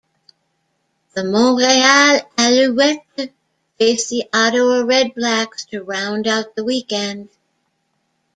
The Montreal Alouettes face the Ottawa Redblacks to round out the weekend.